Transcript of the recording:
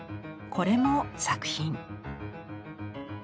これも作品。